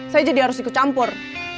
saya jadi harus ikut campur